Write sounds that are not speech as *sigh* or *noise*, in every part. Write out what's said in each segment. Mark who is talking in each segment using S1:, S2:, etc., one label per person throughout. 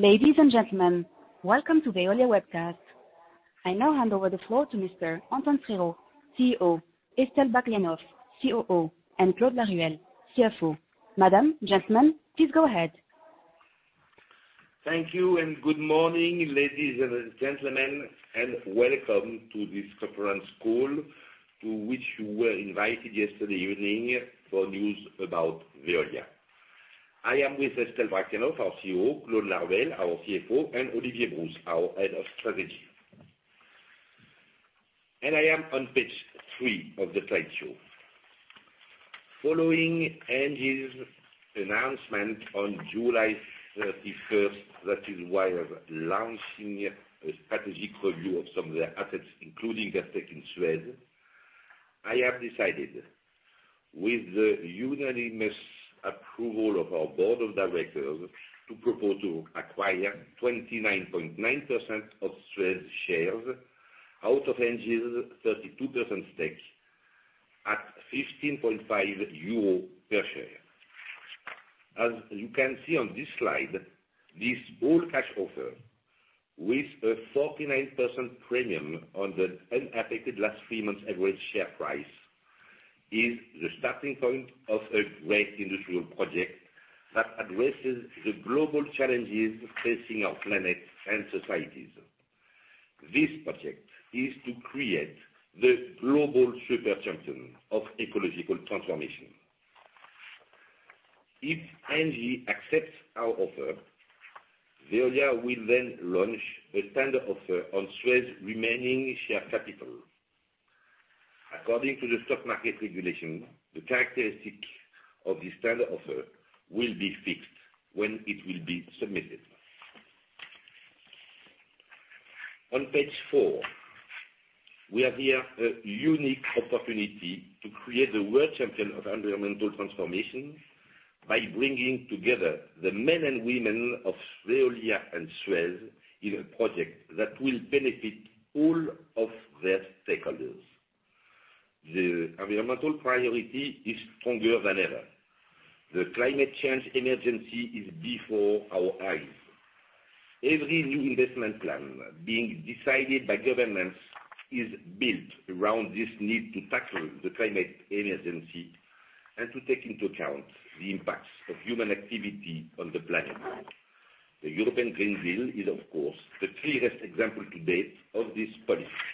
S1: Ladies and gentlemen, welcome to Veolia webcast. I now hand over the floor to Mr. Antoine Frérot, CEO, Estelle Brachlianoff, COO, and Claude Laruelle, CFO. Madam, gentlemen, please go ahead.
S2: Thank you, and good morning, ladies and gentlemen, and welcome to this conference call to which you were invited yesterday evening for news about Veolia. I am with Estelle Brachlianoff, our COO, Claude Laruelle, our CFO, and Olivier Brousse, our Head of Strategy. I am on page three of the slideshow. Following Engie's announcement on July 31st that it was launching a strategic review of some of their assets, including their stake in Suez, I have decided, with the unanimous approval of our board of directors, to propose to acquire 29.9% of Suez shares out of Engie's 32% stake at 15.5 euro per share. As you can see on this slide, this all-cash offer with a 49% premium on the unaffected last three months average share price, is the starting point of a great industrial project that addresses the global challenges facing our planet and societies. This project is to create the global super champion of ecological transformation. If Engie accepts our offer, Veolia will then launch a tender offer on Suez remaining share capital. According to the stock market regulation, the characteristic of the standard offer will be fixed when it will be submitted. On page four, we have here a unique opportunity to create the world champion of environmental transformation by bringing together the men and women of Veolia and Suez in a project that will benefit all of their stakeholders. The environmental priority is stronger than ever. The climate change emergency is before our eyes. Every new investment plan being decided by governments is built around this need to tackle the climate emergency and to take into account the impacts of human activity on the planet. The European Green Deal is, of course, the clearest example to date of this policy.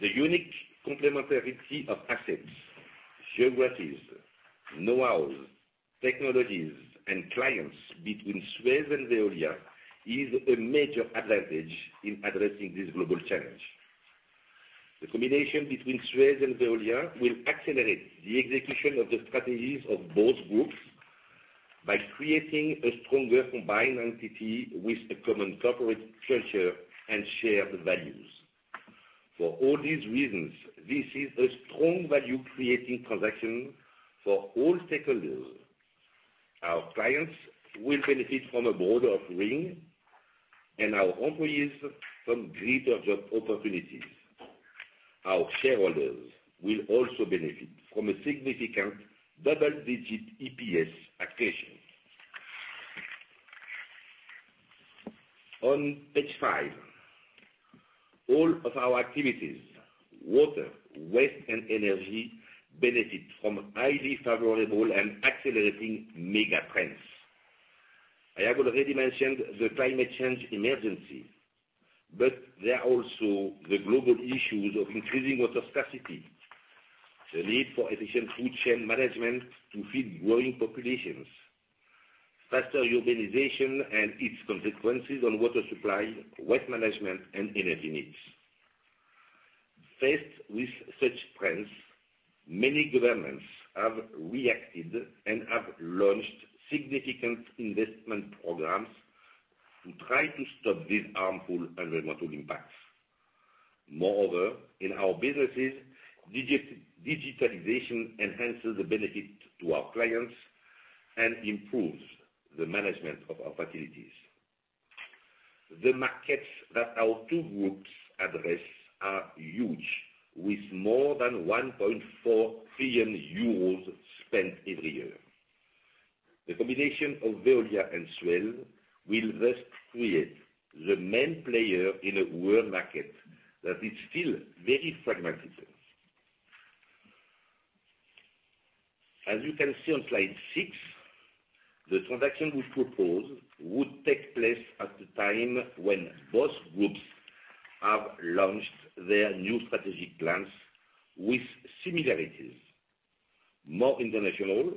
S2: The unique complementarity of assets, geographies, knowhows, technologies, and clients between Suez and Veolia is a major advantage in addressing this global challenge. The combination between Suez and Veolia will accelerate the execution of the strategies of both groups by creating a stronger combined entity with a common corporate culture and shared values. For all these reasons, this is a strong value-creating transaction for all stakeholders. Our clients will benefit from a broader offering, and our employees, some greater job opportunities. Our shareholders will also benefit from a significant double-digit EPS accretion. On page five, all of our activities, water, waste, and energy, benefit from highly favorable and accelerating mega trends. I have already mentioned the climate change emergency, but there are also the global issues of increasing water scarcity, the need for efficient food chain management to feed growing populations, faster urbanization and its consequences on water supply, waste management, and energy needs. Faced with such trends, many governments have reacted and have launched significant investment programs to try to stop these harmful environmental impacts. Moreover, in our businesses, digitalization enhances the benefit to our clients and improves the management of our facilities. The markets that our two groups address are huge, with more than 1.4 billion euros spent every year. The combination of Veolia and Suez will thus create the main player in a world market that is still very fragmented. As you can see on slide six, the transaction we propose would take place at the time when both groups have launched their new strategic plans with similarities, more international,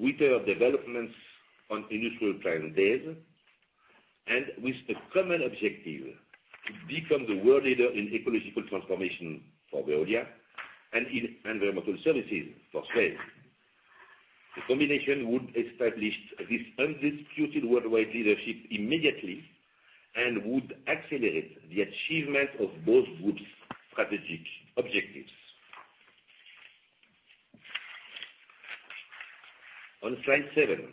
S2: greater developments on industrial client base, and with a common objective to become the world leader in ecological transformation for Veolia and in environmental services for Suez. The combination would establish this undisputed worldwide leadership immediately and would accelerate the achievement of both groups' strategic objectives. On slide seven,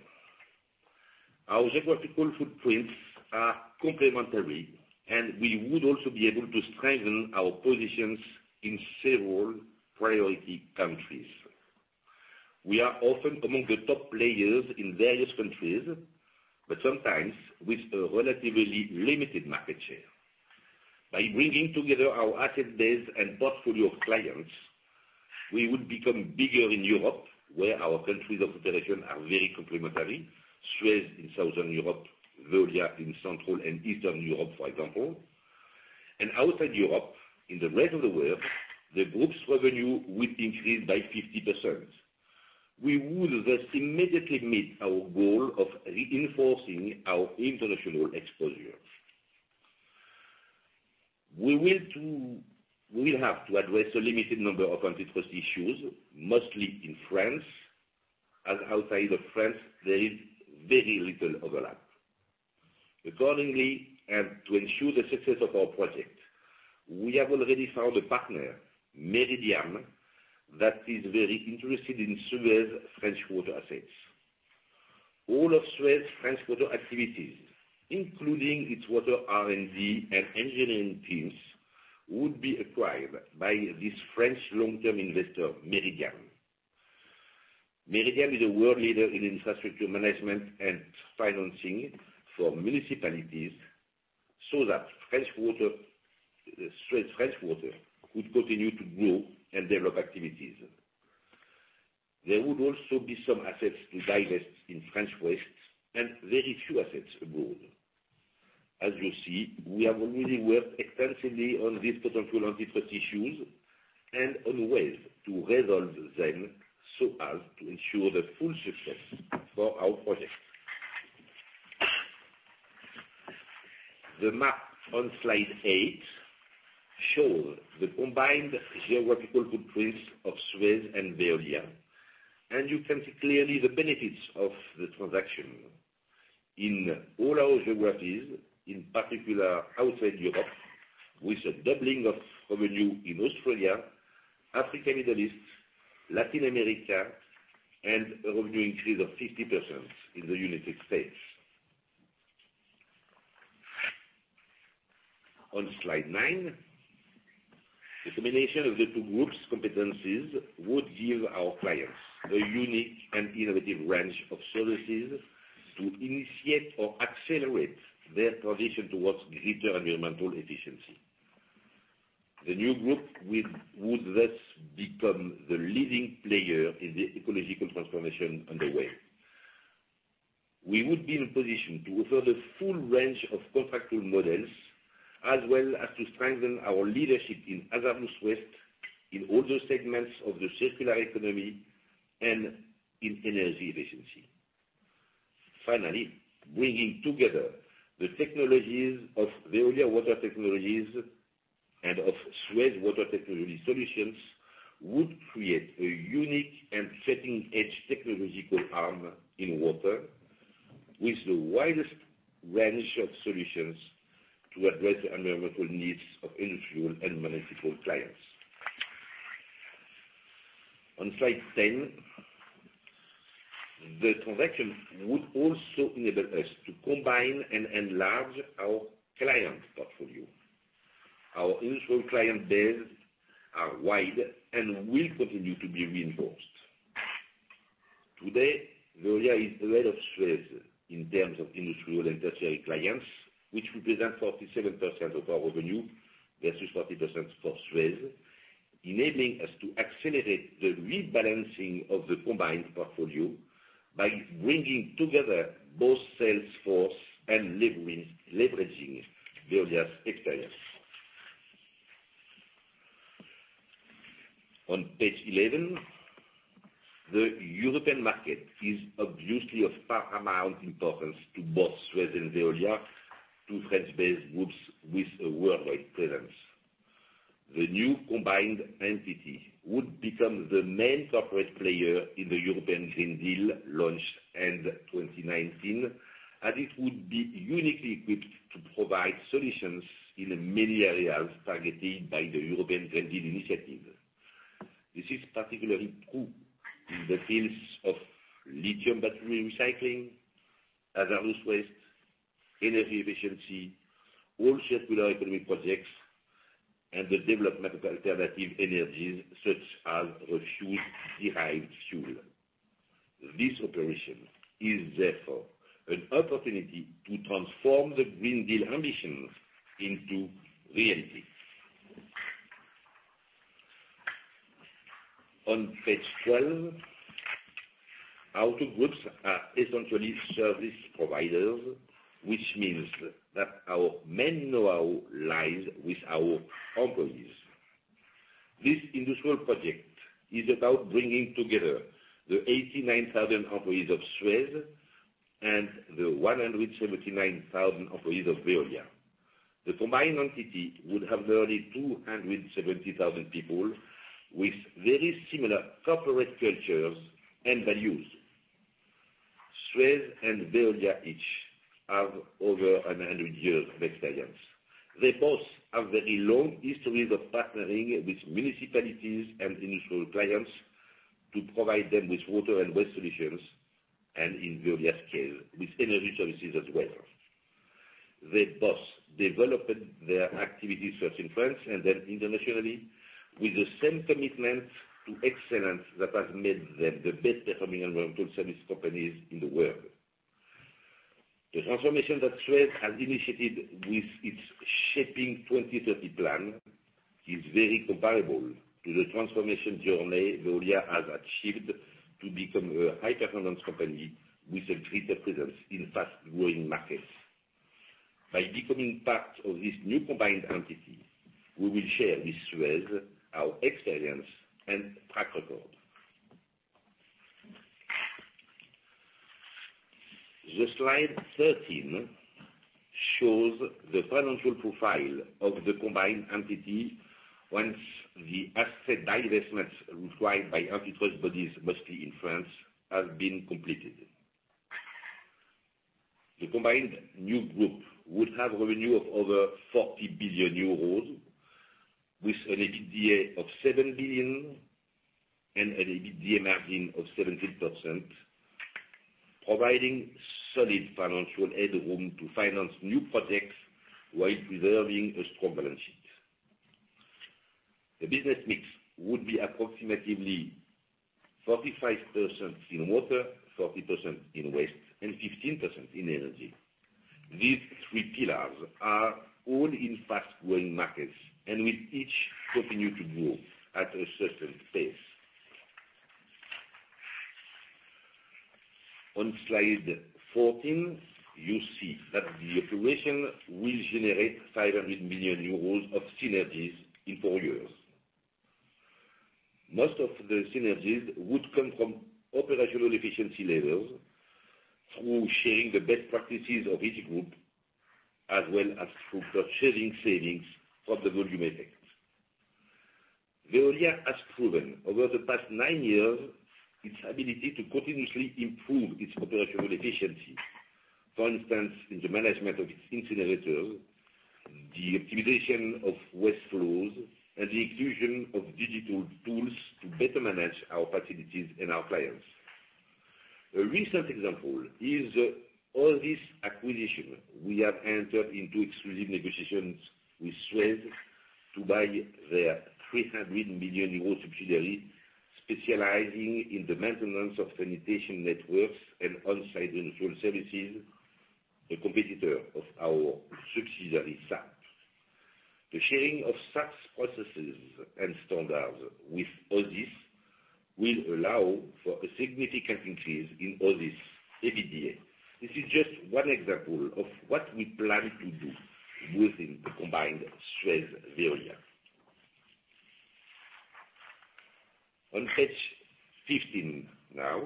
S2: our geographical footprints are complementary, and we would also be able to strengthen our positions in several priority countries. We are often among the top players in various countries, but sometimes with a relatively limited market share. By bringing together our asset base and portfolio of clients, we would become bigger in Europe, where our countries of operation are very complementary, Suez in Southern Europe, Veolia in Central and Eastern Europe, for example. Outside Europe, in the rest of the world, the group's revenue would increase by 50%. We would thus immediately meet our goal of reinforcing our international exposure. We will have to address a limited number of antitrust issues, mostly in France, as outside of France there is very little overlap. Accordingly, and to ensure the success of our project, we have already found a partner, Meridiam, that is very interested in Suez French water assets. All of Suez French water activities, including its water R&D and engineering teams, would be acquired by this French long-term investor, Meridiam. Meridiam is a world leader in infrastructure management and financing for municipalities, so that Suez French water could continue to grow and develop activities. There would also be some assets to divest in French waste and very few assets abroad. As you see, we have already worked extensively on these potential antitrust issues and on ways to resolve them so as to ensure the full success for our project. The map on slide eight shows the combined geographical footprints of Suez and Veolia, and you can see clearly the benefits of the transaction. In all our geographies, in particular outside Europe, with a doubling of revenue in Australia, Africa, Middle East, Latin America, and a revenue increase of 50% in the United States. On slide nine, the combination of the two groups' competencies would give our clients a unique and innovative range of services to initiate or accelerate their transition towards greater environmental efficiency. The new group would thus become the leading player in the ecological transformation underway. We would be in a position to offer the full range of contractual models, as well as to strengthen our leadership in hazardous waste, in all the segments of the circular economy, and in energy efficiency. Finally, bringing together the technologies of Veolia Water Technologies and of Suez Water Technologies Solutions would create a unique and cutting-edge technological arm in water, with the widest range of solutions to address the environmental needs of industrial and municipal clients. On slide 10, the transaction would also enable us to combine and enlarge our client portfolio. Our industrial client base are wide and will continue to be reinforced. Today, Veolia is ahead of Suez in terms of industrial and tertiary clients, which represent 47% of our revenue versus 40% for Suez, enabling us to accelerate the rebalancing of the combined portfolio by bringing together both sales force and leveraging Veolia's experience. On page 11, the European market is obviously of paramount importance to both Suez and Veolia, two France-based groups with a worldwide presence. The new combined entity would become the main corporate player in the European Green Deal launched end 2019. It would be uniquely equipped to provide solutions in the many areas targeted by the European Green Deal initiative. This is particularly true in the fields of lithium battery recycling, hazardous waste, energy efficiency, all circular economy projects, and the development of alternative energies such as refuse-derived fuel. This operation is therefore an opportunity to transform the Green Deal ambitions into reality. On page 12, our two groups are essentially service providers, which means that our main knowhow lies with our employees. This industrial project is about bringing together the 89,000 employees of Suez and the 179,000 employees of Veolia. The combined entity would have nearly 270,000 people with very similar corporate cultures and values. Suez and Veolia each have over 100 years of experience. They both have very long histories of partnering with municipalities and industrial clients to provide them with water and waste solutions, and in Veolia's case, with energy services as well. They both developed their activities first in France and then internationally with the same commitment to excellence that has made them the best performing environmental service companies in the world. The transformation that Suez has initiated with its Shaping 2030 plan is very comparable to the transformation journey Veolia has achieved to become a high performance company with a greater presence in fast-growing markets. By becoming part of this new combined entity, we will share with Suez our experience and track record. Slide 13 shows the financial profile of the combined entity once the asset divestments required by antitrust bodies, mostly in France, have been completed. The combined new group would have revenue of over 40 billion euros, with an EBITDA of 7 billion and an EBITDA margin of 17%, providing solid financial headroom to finance new projects while preserving a strong balance sheet. The business mix would be approximately 45% in water, 40% in waste, and 15% in energy. These three pillars are all in fast-growing markets and will each continue to grow at a certain pace. On slide 14, you see that the operation will generate 500 million euros of synergies in four years. Most of the synergies would come from operational efficiency levels through sharing the best practices of each group, as well as through purchasing savings from the volume effect. Veolia has proven over the past nine years its ability to continuously improve its operational efficiency. For instance, in the management of its incinerators, the optimization of waste flows, and the inclusion of digital tools to better manage our facilities and our clients. A recent example is all this acquisition. We have entered into exclusive negotiations with Suez to buy their 300 million euros subsidiary specializing in the maintenance of sanitation networks and on-site industrial services, a competitor of our subsidiary, SARP. The sharing of SARP processes and standards with OSIS will allow for a significant increase in OSIS EBITDA. This is just one example of what we plan to do within the combined Suez, Veolia. On page 15 now,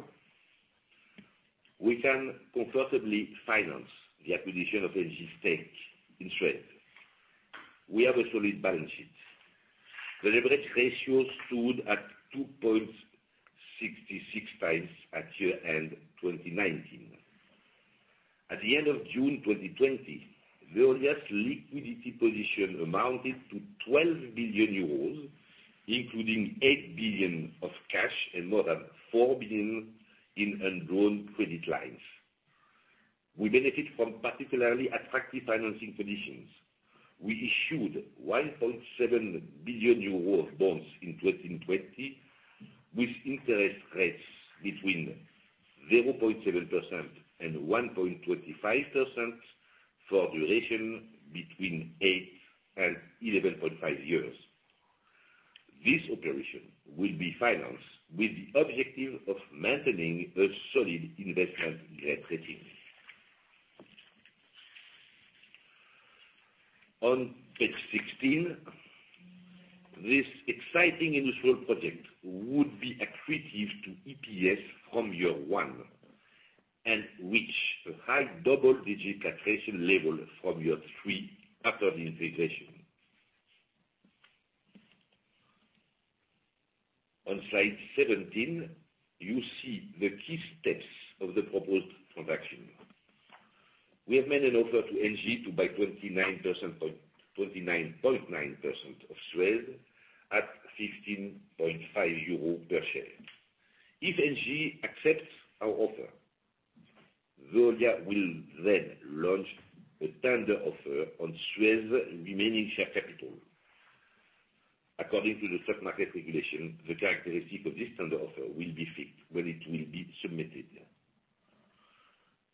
S2: we can comfortably finance the acquisition of Engie's stake in Suez. We have a solid balance sheet. The leverage ratio stood at 2.66x at year-end 2019. At the end of June 2020, Veolia's liquidity position amounted to 12 billion euros, including 8 billion of cash and more than 4 billion in undrawn credit lines. We benefit from particularly attractive financing conditions. We issued 1.7 billion euros of bonds in 2020, with interest rates between 0.7% and 1.25% for duration between eight and 11.5 years. This operation will be financed with the objective of maintaining a solid investment grade rating. On page 16, this exciting industrial project would be accretive to EPS from year one and reach a high double-digit accretion level from year three after the integration. On slide 17, you see the key steps of the proposed transaction. We have made an offer to Engie to buy 29.9% of Suez at 15.5 euro per share. Engie accepts our offer, Veolia will then launch a tender offer on Suez remaining share capital. According to the stock market regulation, the characteristic of this tender offer will be fixed when it will be submitted.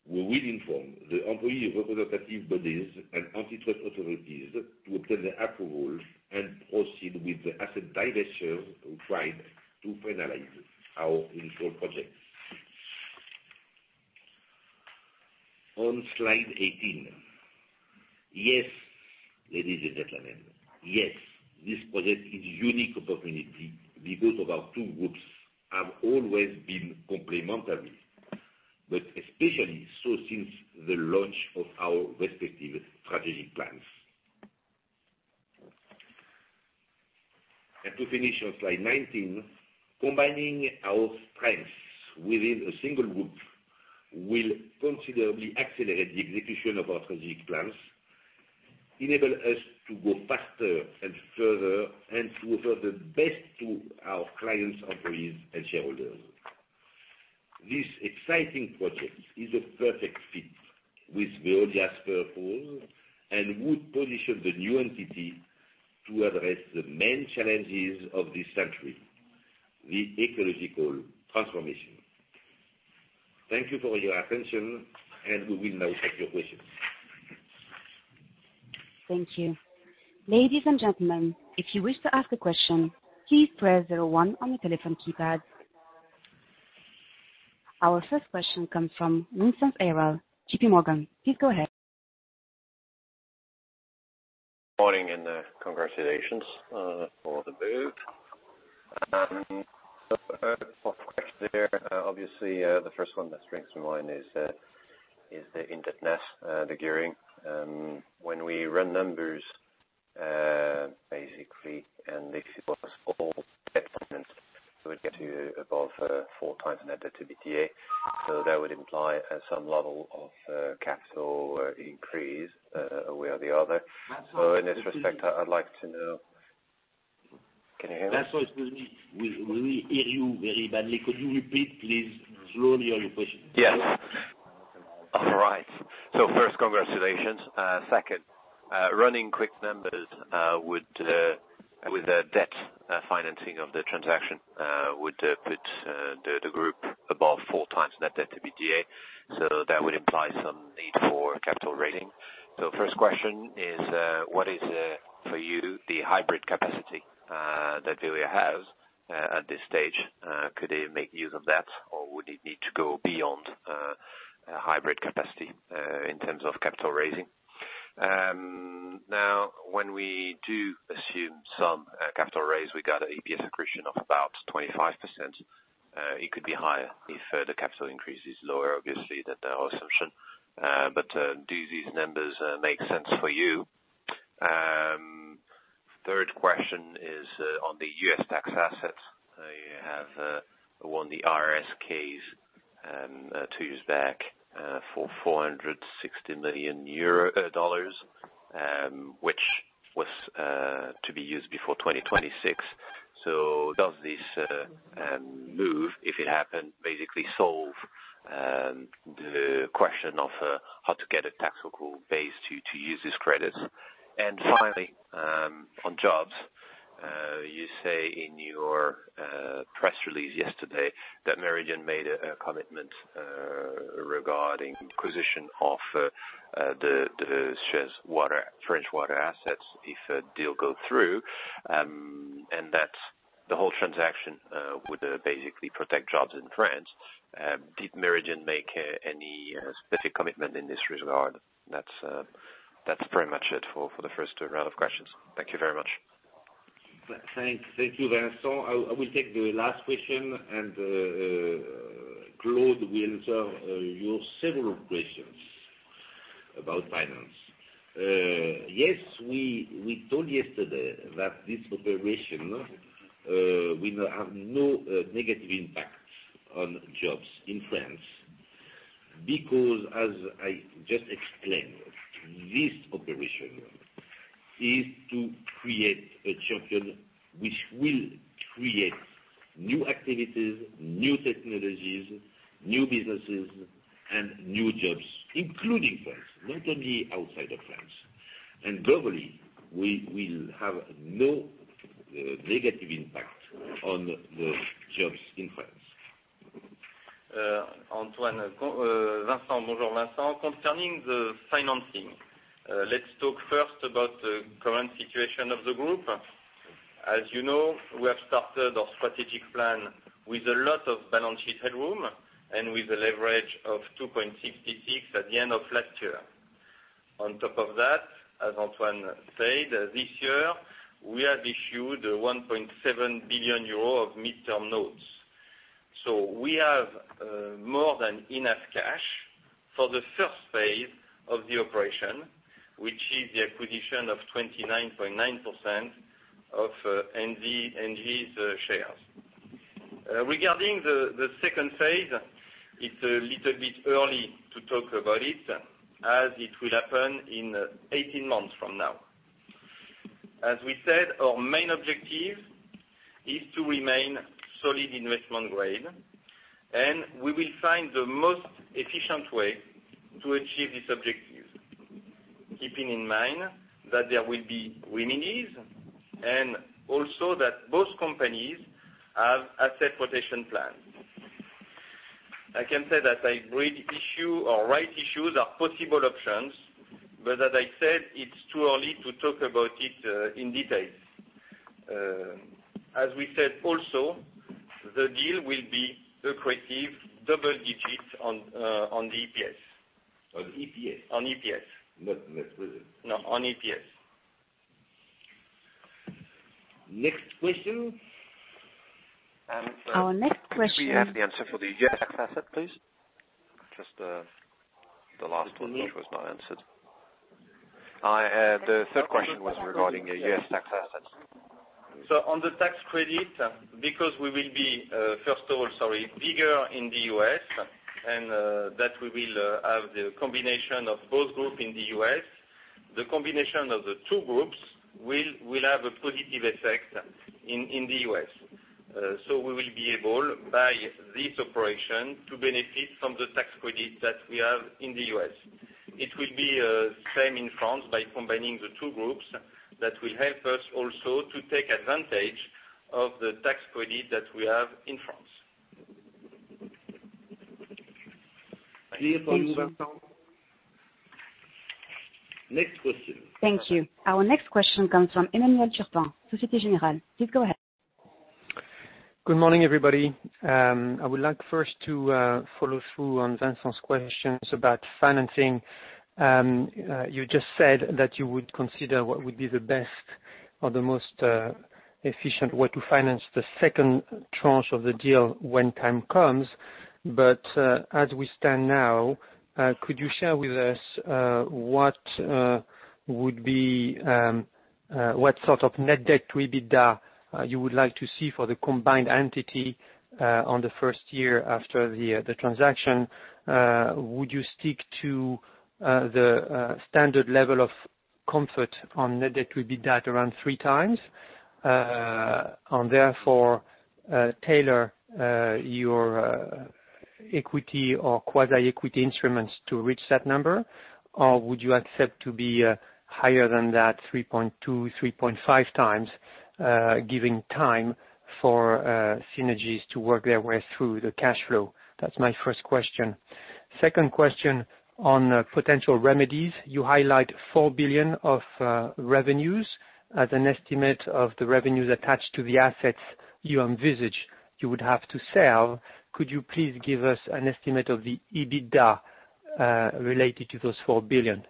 S2: We will inform the employee representative bodies and antitrust authorities to obtain their approval and proceed with the asset divestiture required to finalize our initial project. On slide 18, yes, ladies and gentlemen, yes, this project is unique opportunity because our two groups have always been complementary, but especially so since the launch of our respective strategic plans. To finish on slide 19, combining our strengths within a single group will considerably accelerate the execution of our strategic plans, enable us to go faster and further, and to offer the best to our clients, employees, and shareholders. This exciting project is a perfect fit with Veolia's purpose and would position the new entity to address the main challenges of this century, the ecological transformation. Thank you for your attention. We will now take your questions.
S1: Thank you. Ladies and gentlemen, if you wish to ask a question, please press zero one on your telephone keypad. Our first question comes from Vincent Ayral, JPMorgan. Please go ahead.
S3: Morning, congratulations for the move. A couple of questions there. Obviously, the first one that springs to mind is the indebtedness, the gearing. When we run numbers, basically, and this was all debt finance, so it get to above 4x net debt to EBITDA. That would imply at some level of capital increase one way or the other. In this respect, I'd like to know. Can you hear me?
S2: Sorry, excuse me. We hear you very badly. Could you repeat, please, slowly, your question?
S3: Yes. All right. First, congratulations. Second, running quick numbers with the debt financing of the transaction would put the group above four times net debt to EBITDA, that would imply some need for capital raising. The first question is, what is for you the hybrid capacity that Veolia has at this stage? Could it make use of that, or would it need to go beyond hybrid capacity in terms of capital raising? Now, when we do assume some capital raise, we got an EPS accretion of about 25%. It could be higher if further capital increase is lower, obviously, than our assumption. Do these numbers make sense for you? Third question is on the U.S. tax assets. You have won the IRS case two years back for $460 million, which was to be used before 2026. Does this move, if it happened, basically solve the question of how to get a taxable base to use this credit? Finally, on jobs, you say in your press release yesterday that Meridiam made a commitment regarding acquisition of the French water assets if a deal go through, and that the whole transaction would basically protect jobs in France. Did Meridiam make any specific commitment in this regard? That's pretty much it for the first round of questions. Thank you very much.
S2: Thanks. Thank you, Vincent. I will take the last question, and Claude will answer your several questions about finance. Yes, we told yesterday that this operation will have no negative impact on jobs in France because, as I just explained, this operation is to create a champion which will create new activities, new technologies, new businesses, and new jobs, including France, not only outside of France. Globally, we will have no negative impact on the jobs in France.
S4: Antoine. Vincent, bonjour, Vincent. Concerning the financing, let's talk first about the current situation of the group. As you know, we have started our strategic plan with a lot of balance sheet headroom and with a leverage of 2.66x at the end of last year. On top of that, as Antoine said, this year, we have issued 1.7 billion euros of midterm notes. We have more than enough cash for the first phase of the operation, which is the acquisition of 29.9% of Engie's shares. Regarding the second phase, it's a little bit early to talk about it, as it will happen in 18 months from now. As we said, our main objective is to remain solid investment grade, and we will find the most efficient way to achieve this objective. Keeping in mind that there will be remedies, and also that both companies have asset rotation plans. I can say that hybrid issue or rights issues are possible options. As I said, it's too early to talk about it in detail. As we said also, the deal will be accretive double digits on the EPS.
S2: On EPS.
S4: On EPS.
S2: Not revenue.
S4: No, on EPS.
S2: Next question.
S1: Our next question-
S3: Could we have the answer for the U.S. tax asset, please? Just the last one, which was not answered. The third question was regarding a U.S. tax asset.
S4: On the tax credit, because we will be, first of all, sorry, bigger in the U.S. and that we will have the combination of both group in the U.S. The combination of the two groups will have a positive effect in the U.S. We will be able, by this operation, to benefit from the tax credit that we have in the U.S. It will be same in France by combining the two groups, that will help us also to take advantage of the tax credit that we have in France.
S2: Clear for you, Vincent? Next question.
S1: Thank you. Our next question comes from Emmanuel Turpin, Société Générale. Please go ahead.
S5: Good morning, everybody. I would like first to follow through on Vincent's questions about financing. You just said that you would consider what would be the best or the most efficient way to finance the second tranche of the deal when time comes. As we stand now, could you share with us what sort of net debt to EBITDA you would like to see for the combined entity on the first year after the transaction? Would you stick to the standard level of comfort on net debt to EBITDA around 3x, therefore, tailor your equity or quasi-equity instruments to reach that number? Would you accept to be higher than that 3.2x, 3.5x, giving time for synergies to work their way through the cash flow? That's my first question. Second question on potential remedies. You highlight 4 billion of revenues as an estimate of the revenues attached to the assets you envisage you would have to sell. Could you please give us an estimate of the EBITDA related to those EUR 4 billion?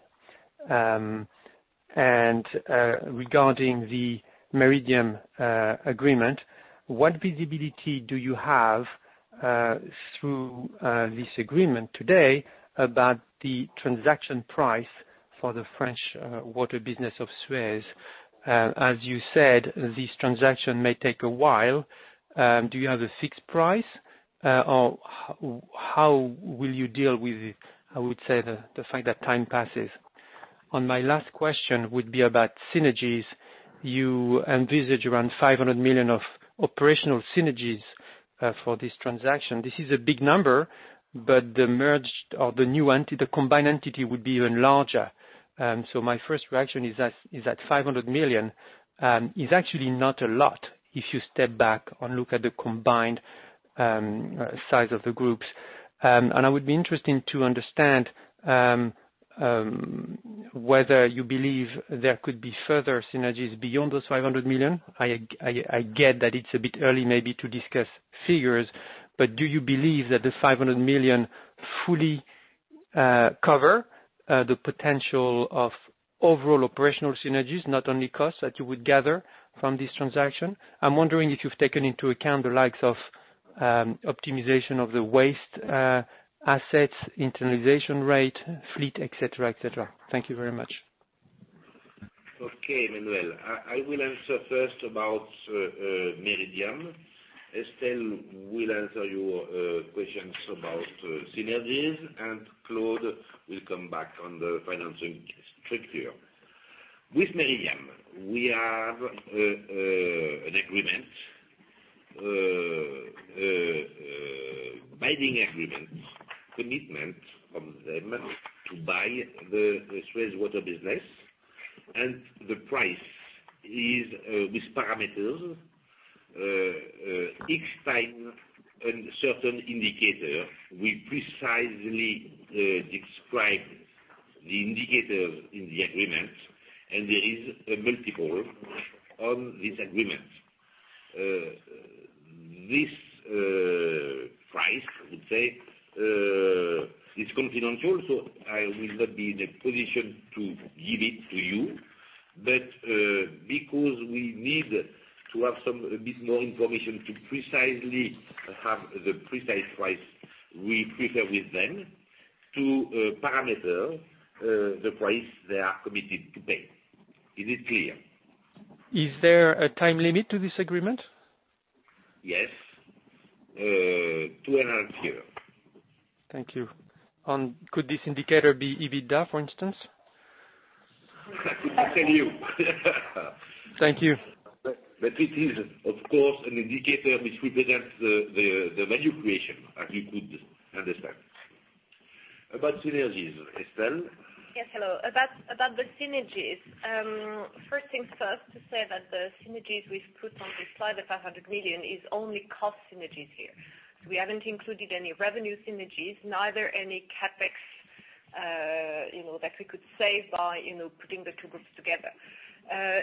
S5: Regarding the Meridiam agreement, what visibility do you have through this agreement today about the transaction price for the French water business of Suez? As you said, this transaction may take a while. Do you have a fixed price, or how will you deal with, I would say, the fact that time passes? My last question would be about synergies. You envisage around 500 million of operational synergies for this transaction. This is a big number, the combined entity would be even larger. My first reaction is that 500 million is actually not a lot if you step back and look at the combined size of the groups. I would be interested to understand whether you believe there could be further synergies beyond those 500 million. I get that it's a bit early maybe to discuss figures, but do you believe that the 500 million fully cover the potential of overall operational synergies, not only costs that you would gather from this transaction? I'm wondering if you've taken into account the likes of optimization of the waste assets, internalization rate, fleet, et cetera. Thank you very much.
S2: Okay, Emmanuel. I will answer first about Meridiam. Estelle will answer your questions about synergies, and Claude will come back on the financing structure. With Meridiam, we have a binding agreement, commitment from them to buy the Suez water business, and the price is with parameters. Each time a certain indicator, we precisely describe the indicator in the agreement, and there is a multiple on this agreement. This price, I would say, is confidential, so I will not be in a position to give it to you. Because we need to have a bit more information to precisely have the precise price we prefer with them to parameter the price they are committed to pay. Is it clear?
S5: Is there a time limit to this agreement?
S2: Yes. Two and a half years.
S5: Thank you. Could this indicator be EBITDA, for instance?
S2: I could tell you.
S5: Thank you.
S2: It is, of course, an indicator which represents the value creation, as you could understand. About synergies, Estelle?
S6: Yes, hello. About the synergies. First things first, to say that the synergies we've put on this slide, the 500 million, is only cost synergies here. We haven't included any revenue synergies, neither any CapEx that we could save by putting the two groups together.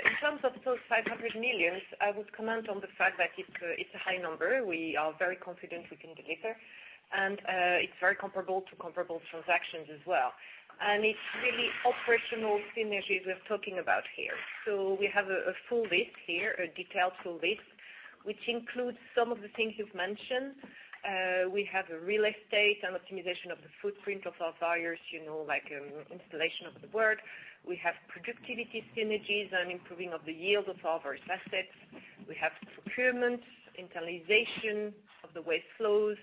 S6: In terms of those 500 million, I would comment on the fact that it's a high number. We are very confident we can deliver. It's very comparable to comparable transactions as well. It's really operational synergies we're talking about here. We have a full list here, a detailed full list, which includes some of the things you've mentioned. We have real estate and optimization of the footprint of our buyers, like installation of the work. We have productivity synergies and improving of the yield of our various assets. We have procurements, internalization of the waste flows,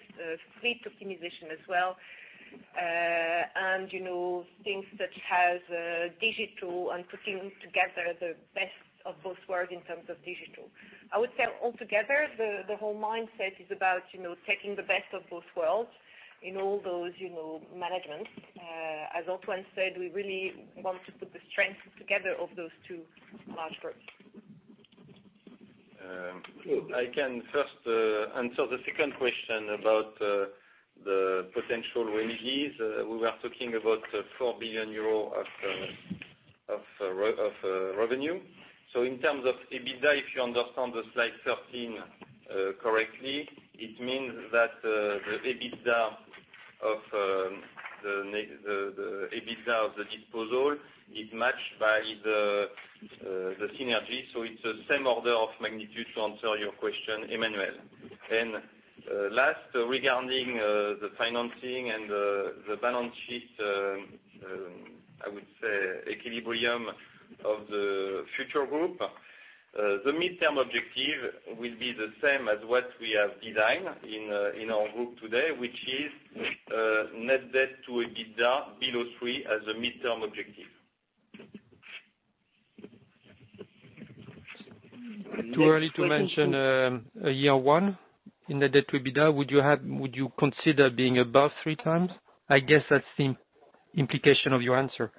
S6: fleet optimization as well. Things that have digital and putting together the best of both worlds in terms of digital. I would say altogether, the whole mindset is about taking the best of both worlds in all those management. As Antoine said, we really want to put the strengths together of those two large groups.
S4: I can first answer the second question about the potential synergies. We were talking about 4 billion euro of revenue. In terms of EBITDA, if you understand the Slide 13 correctly, it means that the EBITDA of the disposal is matched by the synergy. It's the same order of magnitude to answer your question, Emmanuel. Last, regarding the financing and the balance sheet, I would say equilibrium of the future group, the midterm objective will be the same as what we have designed in our group today, which is net debt to EBITDA below 3x as a midterm objective.
S5: Too early to mention a year one in the debt to EBITDA. Would you consider being above 3x? I guess that's the implication of your answer.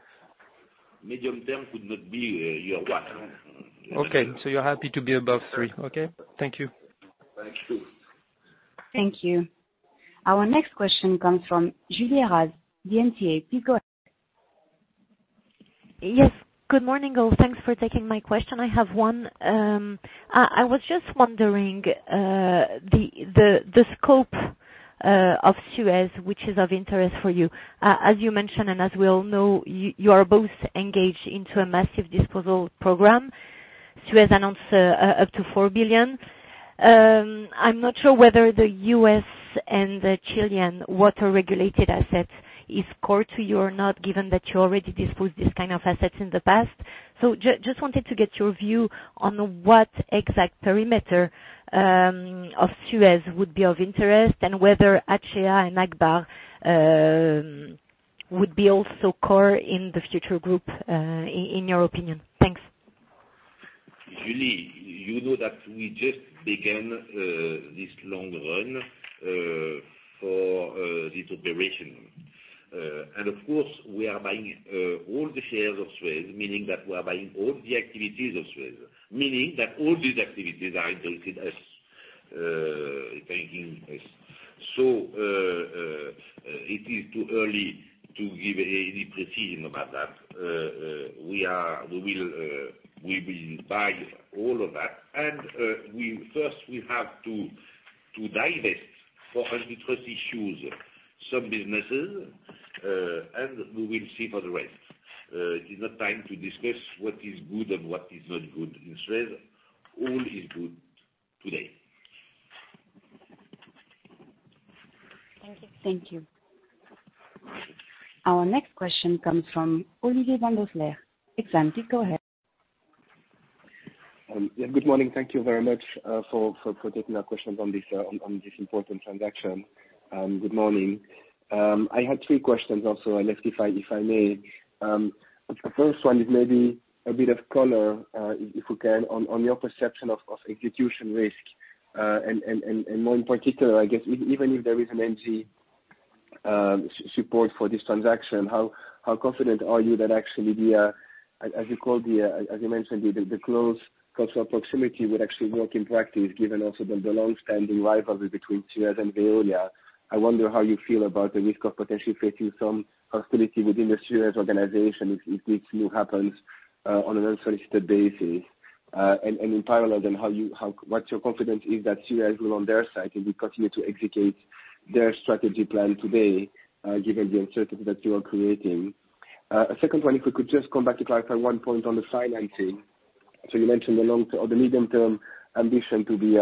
S2: Medium term would not be year one.
S5: Okay. You're happy to be above 3x. Okay. Thank you.
S2: Thank you.
S1: Thank you. Our next question comes from Julie. *audio distortion* Go ahead.
S7: Yes. Good morning, all. Thanks for taking my question. I have one. I was just wondering, the scope of Suez, which is of interest for you. As you mentioned, and as we all know, you are both engaged into a massive disposal program. Suez announced up to 4 billion. I'm not sure whether the U.S. and the Chilean water regulated assets is core to you or not, given that you already disposed this kind of assets in the past. Just wanted to get your view on what exact perimeter of Suez would be of interest and whether Acea and Agbar would be also core in the future group, in your opinion. Thanks.
S2: Julie, you know that we just began this long run for this operation. Of course, we are buying all the shares of Suez, meaning that we are buying all the activities of Suez, meaning that all these activities are included as, if I think this. It is too early to give any precision about that. We will buy all of that. First, we have to divest for antitrust issues, some businesses, and we will see for the rest. It is not time to discuss what is good and what is not good in Suez. All is good today.
S7: Thank you.
S1: Thank you. Our next question comes from Olivier van Doosselaere, Exane. Go ahead.
S8: Good morning. Thank you very much for taking our questions on this important transaction. Good morning. I had three questions also, Alexis, if I may. The first one is maybe a bit of color, if we can, on your perception of execution risk. More in particular, I guess, even if there is an Engie support for this transaction, how confident are you that actually the, as you mentioned, the close cultural proximity would actually work in practice, given also the long-standing rivalry between Suez and Veolia? I wonder how you feel about the risk of potentially facing some hostility within the Suez organization if this move happens on an unsolicited basis. In parallel, then, what your confidence is that Suez will, on their side, continue to execute their strategy plan today, given the uncertainty that you are creating. A second one, if we could just come back to clarify one point on the financing. You mentioned the medium-term ambition to be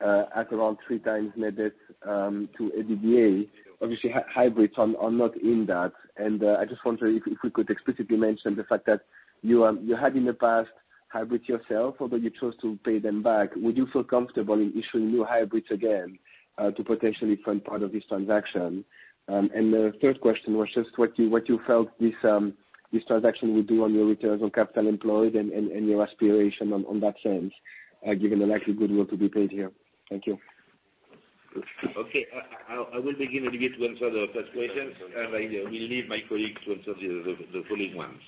S8: at around 3x net debt to EBITDA. Obviously, hybrids are not in that. I just wonder if we could explicitly mention the fact that you had in the past hybrids yourself, although you chose to pay them back. Would you feel comfortable in issuing new hybrids again, to potentially fund part of this transaction? The third question was just what you felt this transaction would do on your returns on capital employed and your aspiration on that sense, given the likely goodwill to be paid here. Thank you.
S2: Okay. I will begin a little bit to answer the first question, and I will leave my colleagues to answer the following ones.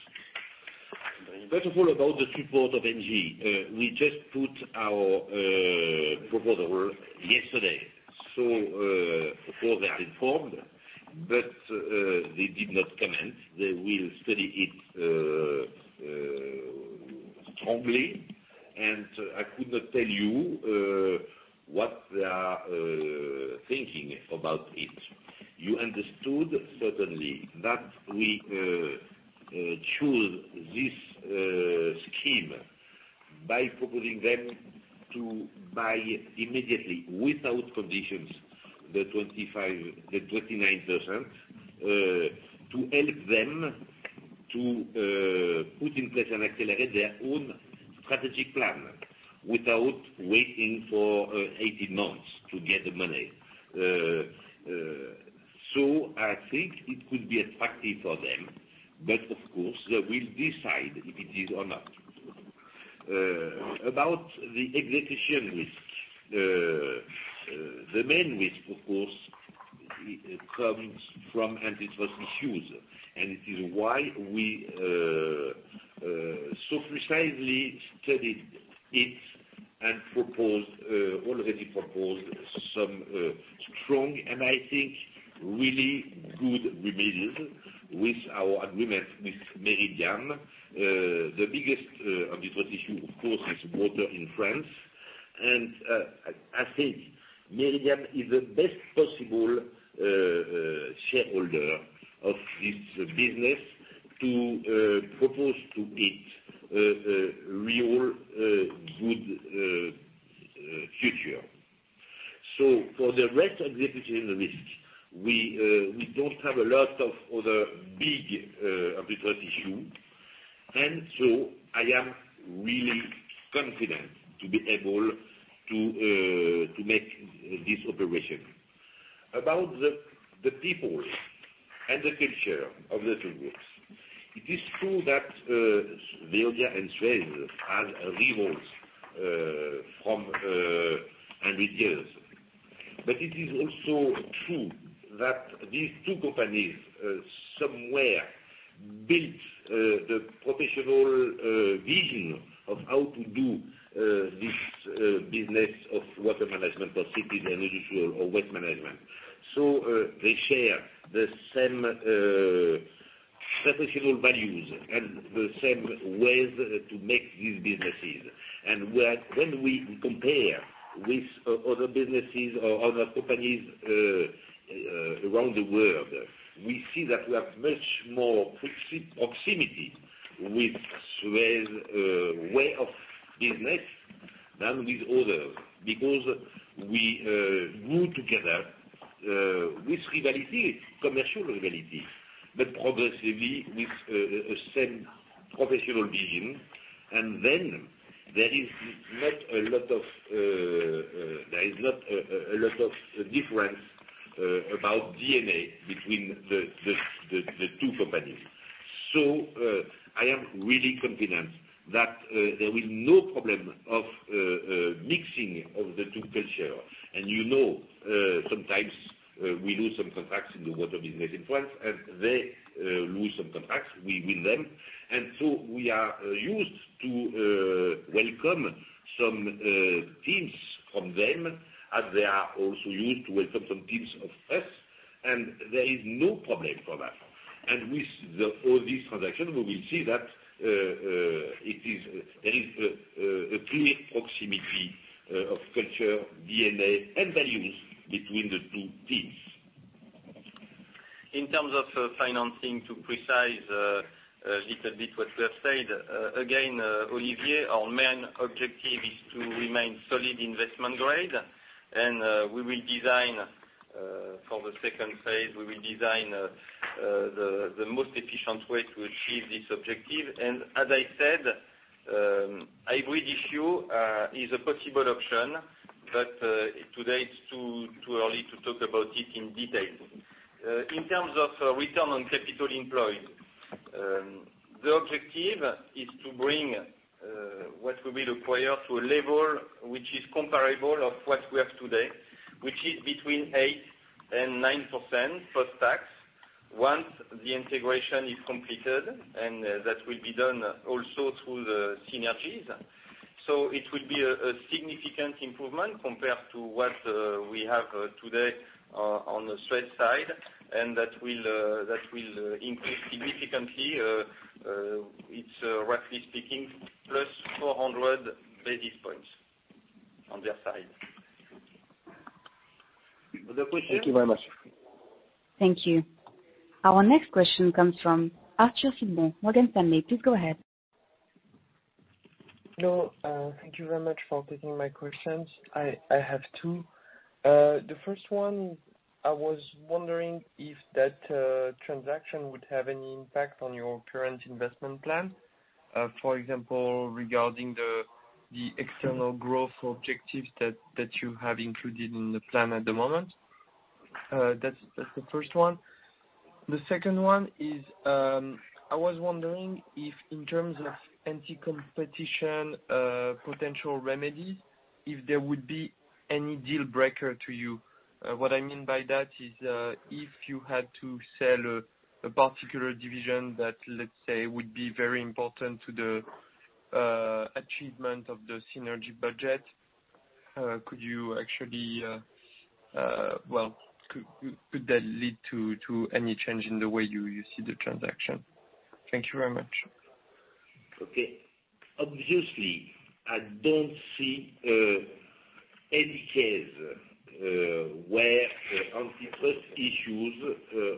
S2: First of all, about the support of Engie. We just put our proposal yesterday, so of course, they are informed, but they did not comment. They will study it strongly, and I could not tell you what they are thinking about it. You understood, certainly, that we choose this scheme by proposing them to buy immediately without conditions the 29% to help them to put in place and accelerate their own strategic plan without waiting for 18 months to get the money. I think it could be attractive for them, but of course, they will decide if it is or not. About the execution risk. The main risk, of course, comes from antitrust issues. It is why we so precisely studied it and already proposed some strong, I think, really good remedies with our agreement with Meridiam. The biggest antitrust issue, of course, is water in France. As said, Meridiam is the best possible shareholder of this business to propose to it a real good future. For the rest execution risk, we don't have a lot of other big antitrust issue. I am really confident to be able to make this operation. About the people and the culture of the two groups. It is true that Veolia and Suez have rivals, and retailers. It is also true that these two companies somewhere built the professional vision of how to do this business of water management for cities, industrial, or waste management. They share the same professional values and the same ways to make these businesses. When we compare with other businesses or other companies around the world, we see that we have much more proximity with Suez way of business than with others because we grew together, with commercial rivalries, but progressively with a same professional vision. There is not a lot of difference about DNA between the two companies. I am really confident that there will no problem of mixing of the two culture. You know, sometimes, we lose some contracts in the water business in France, and they lose some contracts, we win them. We are used to welcome some teams from them as they are also used to welcome some teams of us, and there is no problem for that. With all this transaction, we will see that there is a clear proximity of culture, DNA, and values between the two teams.
S4: In terms of financing to precise a little bit what we have said, again, Olivier, our main objective is to remain solid investment grade. For the second phase, we will design the most efficient way to achieve this objective. As I said, hybrid issue is a possible option. Today it's too early to talk about it in detail. In terms of return on capital employed, the objective is to bring what will be required to a level which is comparable of what we have today, which is between 8% and 9% post-tax, once the integration is completed. That will be done also through the synergies. It will be a significant improvement compared to what we have today on the Suez side. That will increase significantly, it's roughly speaking, plus 400 basis points on their side. Other questions?
S2: Thank you very much.
S1: Thank you. Our next question comes from Arthur Sitbon, Morgan Stanley. Please go ahead.
S9: Hello. Thank you very much for taking my questions. I have two. The first one, I was wondering if that transaction would have any impact on your current investment plan. For example, regarding the external growth objectives that you have included in the plan at the moment. That's the first one. The second one is, I was wondering if in terms of anti-competition potential remedies, if there would be any deal breaker to you. What I mean by that is, if you had to sell a particular division that, let's say, would be very important to the achievement of the synergy budget, could that lead to any change in the way you see the transaction? Thank you very much.
S2: Okay. Obviously, I don't see any case, where antitrust issues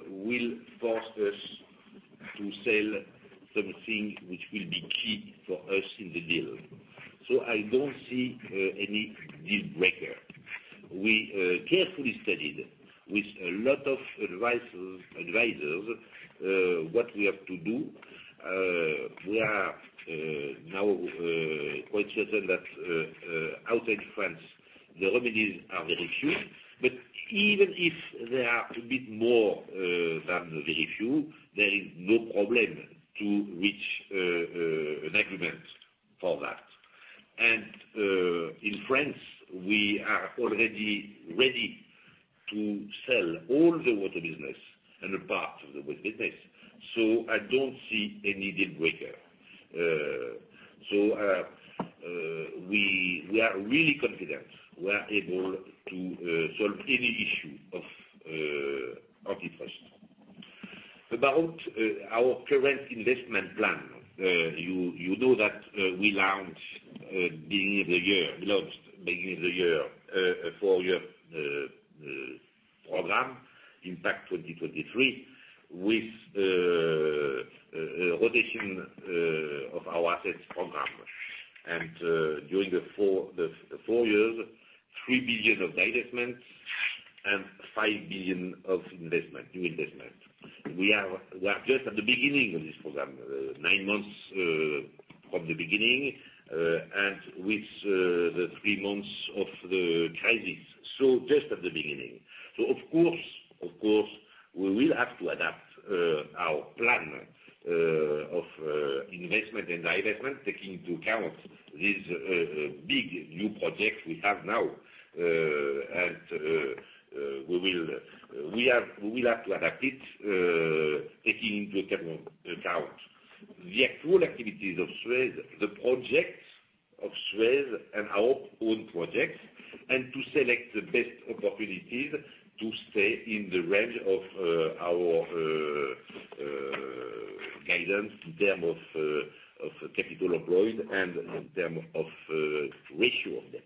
S2: will force us to sell something which will be key for us in the deal. I don't see any deal breaker. We carefully studied with a lot of advisors what we have to do. We are now quite certain that outside France, the remedies are very few, but even if they are a bit more than very few, there is no problem to reach an agreement for that. In France, we are already ready to sell all the water business and a part of the waste business. I don't see any deal breaker. We are really confident we are able to solve any issue of antitrust. About our current investment plan, you know that we launched beginning of the year, a four-year program, Impact 2023, with a rotation of our assets program. During the four years, 3 billion of divestments and 5 billion of new investment. We are just at the beginning of this program, nine months from the beginning, and with the three months of the crisis, so just at the beginning. Of course, we will have to adapt our plan of investment and divestment, taking into account this big new project we have now. We will have to adapt it, taking into account the actual activities of Suez, the projects of Suez and our own projects, and to select the best opportunities to stay in the range of our guidance in term of capital employed and in term of ratio of debt.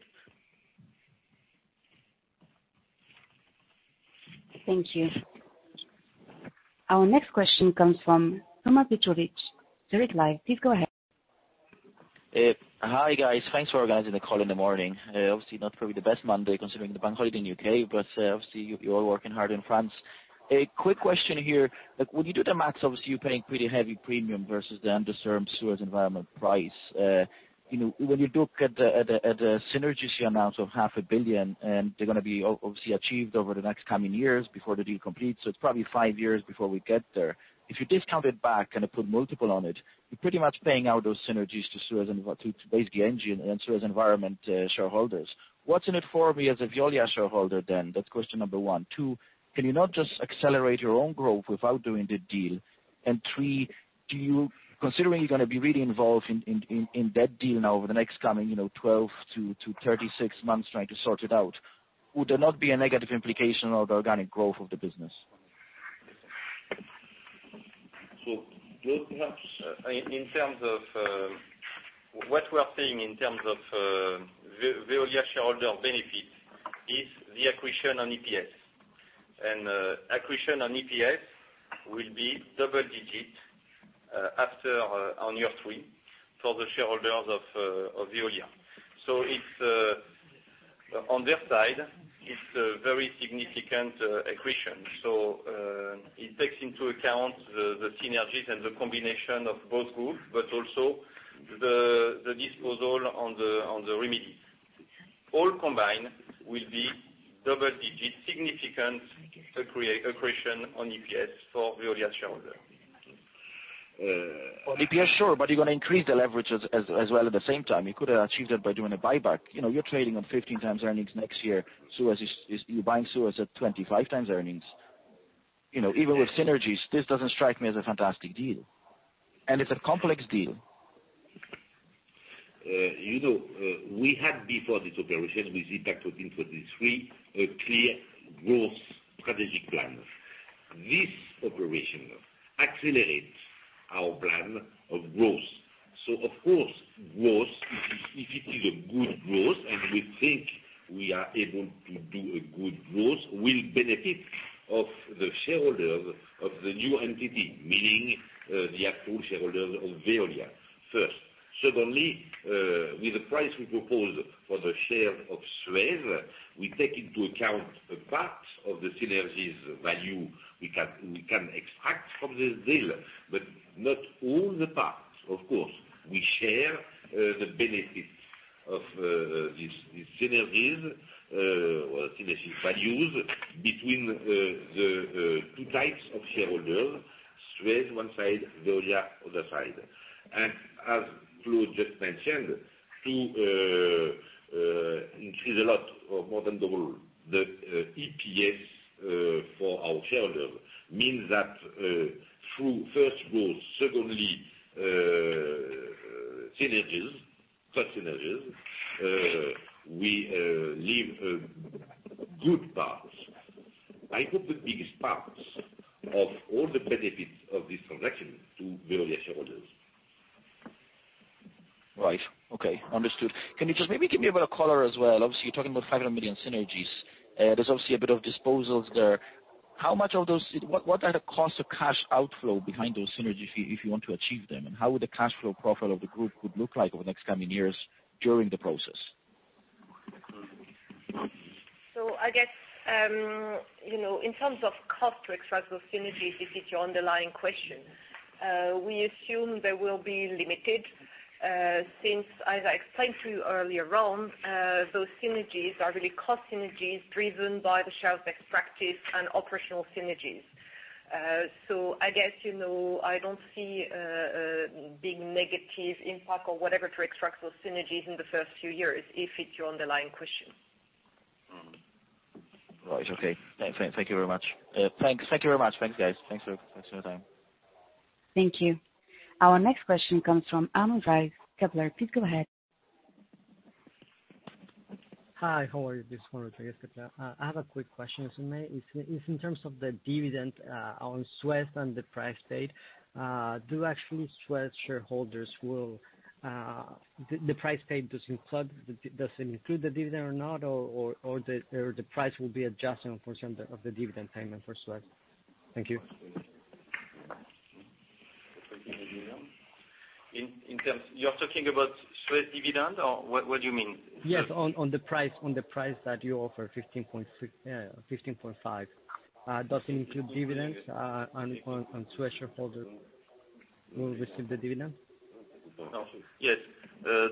S1: Thank you. Our next question comes from Thomas Petrovic *audio distortion* Please go ahead.
S10: Hi, guys. Thanks for organizing the call in the morning. Obviously not probably the best Monday considering the bank holiday in the U.K., obviously you're all working hard in France. A quick question here. When you do the maths, obviously you're paying pretty heavy premium versus the undisturbed Suez Environnement price. When you look at the synergy amounts of half a billion, and they're going to be obviously achieved over the next coming years before the deal completes, it's probably five years before we get there. If you discount it back and put multiple on it, you're pretty much paying out those synergies to basically Engie and Suez Environnement shareholders. What's in it for me as a Veolia shareholder then? That's question number one. Two, can you not just accelerate your own growth without doing the deal? Three, considering you're going to be really involved in that deal now over the next coming 12 to 36 months trying to sort it out, would there not be a negative implication on the organic growth of the business?
S2: Claude, perhaps.
S4: In terms of what we are saying in terms of Veolia shareholder benefit is the accretion on EPS. Accretion on EPS will be double digit on year three for the shareholders of Veolia. On their side, it's a very significant accretion. It takes into account the synergies and the combination of both groups, but also the disposal on the remedies. All combined will be double digit significant accretion on EPS for Veolia shareholders.
S10: On EPS, sure, you're going to increase the leverage as well at the same time. You could have achieved that by doing a buyback. You're trading on 15 times earnings next year. You're buying Suez at 25 times earnings. Even with synergies, this doesn't strike me as a fantastic deal. It's a complex deal.
S2: We had before this operation with Impact 2023, a clear growth strategic plan. This operation accelerates our plan of growth. Of course, growth, if it is a good growth, and we think we are able to do a good growth, will benefit of the shareholders of the new entity, meaning the actual shareholders of Veolia first. Secondly, with the price we propose for the share of Suez, we take into account a part of the synergies value we can extract from this deal, but not all the parts. Of course, we share the benefits of these synergies values between the two types of shareholders, Suez one side, Veolia other side. As Claude just mentioned, to increase a lot, or more than double the EPS for our shareholders, means that through first growth, secondly, synergies, cost synergies, we leave a good part, I hope the biggest part, of all the benefits of this transaction to Veolia shareholders.
S10: Right. Okay. Understood. Can you just maybe give me a bit of color as well? You're talking about 500 million synergies. There's obviously a bit of disposals there. How much of those, what are the cost of cash outflow behind those synergies if you want to achieve them? How would the cash flow profile of the group would look like over the next coming years during the process?
S6: I guess, in terms of cost to extract those synergies, if it's your underlying question, we assume they will be limited. Since, as I explained to you earlier on, those synergies are really cost synergies driven by the share of extractive and operational synergies. I guess, I don't see a big negative impact or whatever to extract those synergies in the first few years, if it's your underlying question.
S10: Mm-hmm. Right. Okay. Thank you very much. Thanks, guys. Thanks for your time.
S1: Thank you. Our next question comes from Arnaud *audio distortion* Kepler. Please go ahead.
S11: Hi, how are you? This is Arnaud Valls, Kepler. I have a quick question, if I may. It's in terms of the dividend, on Suez and the price paid. The price paid, does it include the dividend or not, or the price will be adjusted in function of the dividend payment for Suez? Thank you.
S4: In terms You're talking about Suez dividend or what do you mean?
S11: Yes, on the price that you offer 15.5. Does it include dividends, and Suez shareholder will receive the dividend?
S4: Yes. The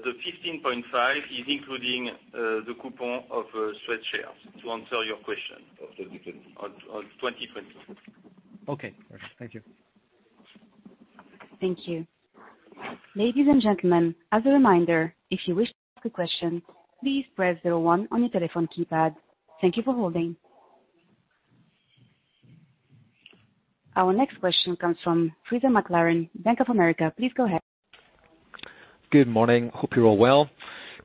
S4: 15.5 is including the coupon of Suez shares, to answer your question.
S2: Of 2020.
S4: Of 2020.
S11: Okay. Perfect. Thank you.
S1: Thank you. Ladies and gentlemen, as a reminder, if you wish to ask a question, please press zero one on tour telephone keypad. Thank you for holding. Our next question comes from Fraser McLaren, Bank of America. Please go ahead.
S12: Good morning. Hope you're all well.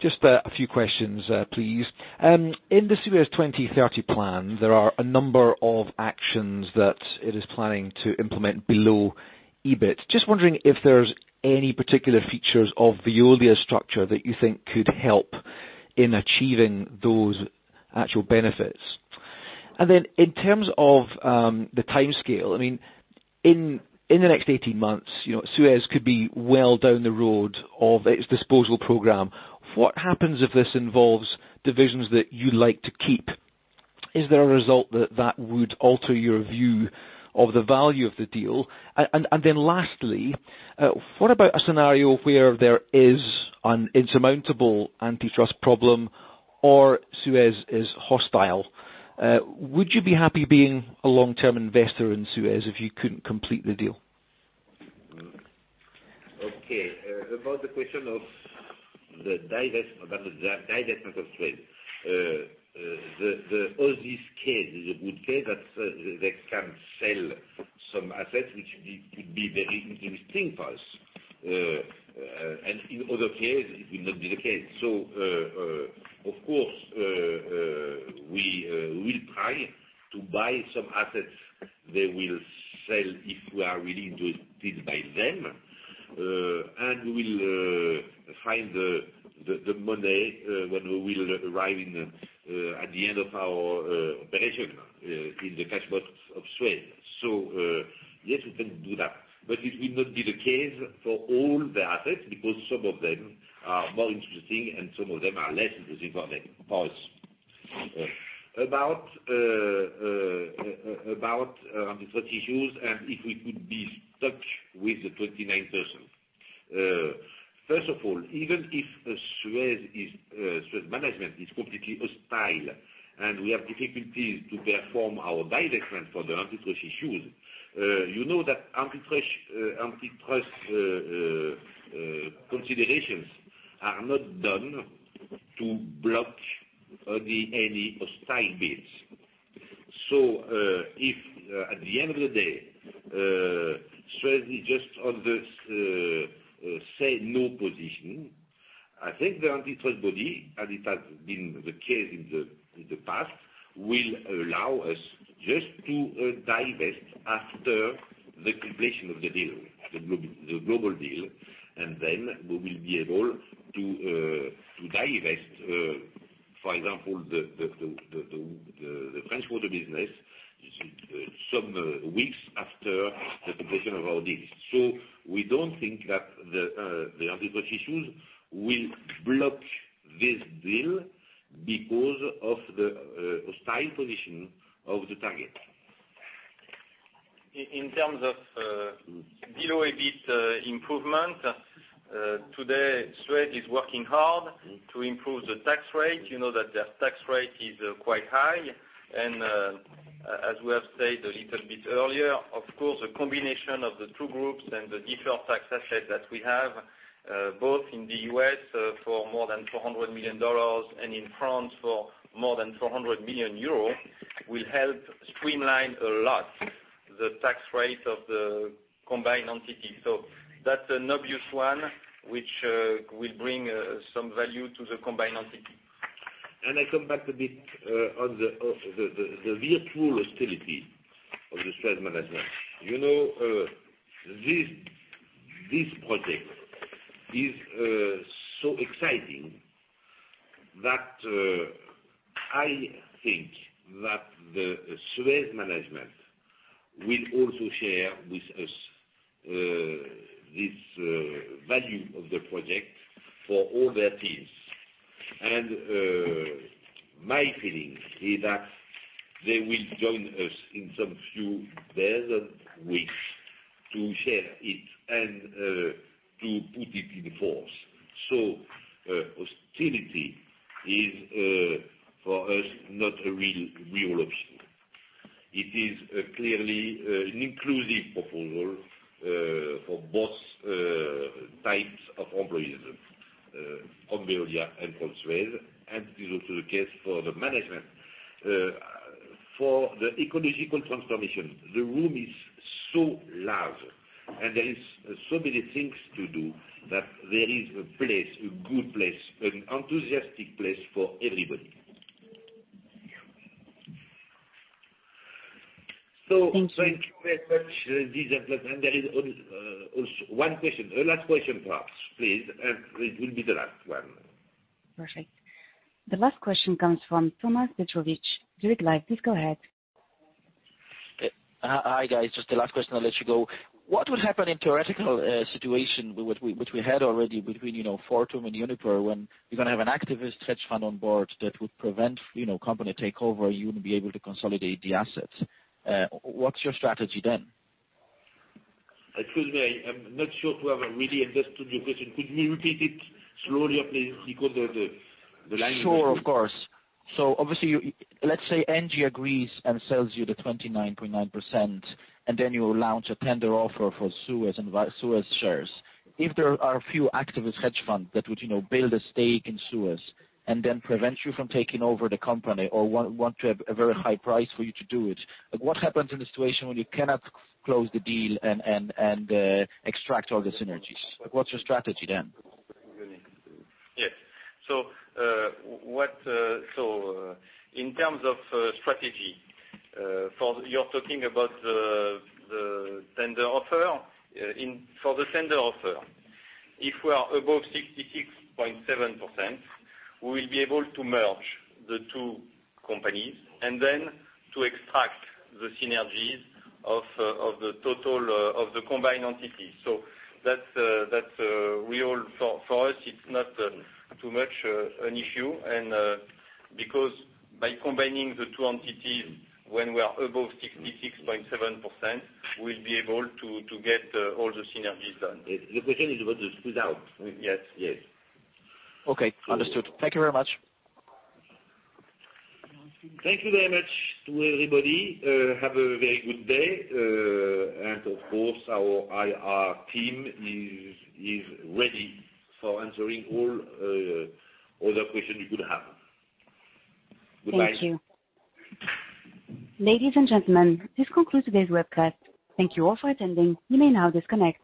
S12: Just a few questions, please. In the Suez 2030 plan, there are a number of actions that it is planning to implement below EBIT. Just wondering if there's any particular features of Veolia structure that you think could help in achieving those actual benefits. Then in terms of the timescale, in the next 18 months, Suez could be well down the road of its disposal program. What happens if this involves divisions that you like to keep? Is there a result that would alter your view of the value of the deal? Lastly, what about a scenario where there is an insurmountable antitrust problem or Suez is hostile? Would you be happy being a long-term investor in Suez if you couldn't complete the deal?
S2: Okay. About the question of the divestment of Suez. All this case is a good case that they can sell some assets, which could be very interesting for us. In other cases, it will not be the case. Of course, we will try to buy some assets they will sell if we are really interested by them. We will find the money, when we will arrive at the end of our operation in the cash box of Suez. Yes, we can do that, but it will not be the case for all the assets, because some of them are more interesting and some of them are less interesting for us. About antitrust issues, if we could be stuck with the 29%. First of all, even if the Suez management is completely hostile, and we have difficulties to perform our divestment for the antitrust issues, you know that antitrust considerations are not done to block any hostile bids. If at the end of the day, Suez is just on the sell no position, I think the antitrust body, as it has been the case in the past, will allow us just to divest after the completion of the deal, the global deal, and then we will be able to divest, for example, the French water business some weeks after the completion of our deal. We don't think that the antitrust issues will block this deal because of the hostile position of the target.
S4: In terms of below EBIT improvement, today, Suez is working hard to improve the tax rate. You know that their tax rate is quite high. As we have said a little bit earlier, of course, the combination of the two groups and the different tax assets that we have, both in the U.S. for more than $400 million and in France for more than 400 million euros, will help streamline a lot the tax rate of the combined entity. That's an obvious one, which will bring some value to the combined entity.
S2: I come back a bit on the virtual hostility of the Suez management. This project is so exciting. I think that the Suez management will also share with us this value of the project for all their teams. My feeling is that they will join us in some few days and weeks to share it and to put it in force. Hostility is, for us, not a real option. It is clearly an inclusive proposal for both types of employees, from Veolia and from Suez, and is also the case for the management. For the ecological transformation, the room is so large and there is so many things to do that there is a place, a good place, an enthusiastic place for everybody.
S1: Thank you.
S2: Thank you very much. There is also one question, the last question, perhaps. Please, it will be the last one.
S1: Perfect. The last question comes from Thomas Petrovic *audio distortion* Please go ahead.
S10: Hi, guys. Just the last question, I'll let you go. What would happen in a theoretical situation, which we had already between Fortum and Uniper, when you're going to have an activist hedge fund on board that would prevent company takeover, you wouldn't be able to consolidate the assets? What's your strategy then?
S2: Excuse me, I'm not sure to have really understood your question. Could you repeat it slowly, please? Because of the line issue.
S10: Sure, of course. Obviously, let's say Engie agrees and sells you the 29.9%, and then you launch a tender offer for Suez shares. If there are a few activist hedge funds that would build a stake in Suez and then prevent you from taking over the company or want to have a very high price for you to do it, what happens in the situation when you cannot close the deal and extract all the synergies? What's your strategy then?
S4: Yes. In terms of strategy, you're talking about the tender offer? For the tender offer, if we are above 66.7%, we will be able to merge the two companies, and then to extract the synergies of the combined entity. For us, it's not too much an issue because by combining the two entities, when we are above 66.7%, we'll be able to get all the synergies done.
S2: The question is about the squeeze out.
S4: Yes.
S10: Okay. Understood. Thank you very much.
S2: Thank you very much to everybody. Have a very good day. Of course, our IR team is ready for answering all other questions you could have. Goodbye.
S1: Thank you. Ladies and gentlemen, this concludes today's webcast. Thank you all for attending. You may now disconnect.